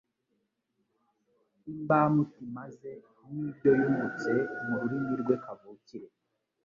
imbamutima ze n'ibyo yungutse. Mu rurimi rwe kavukire,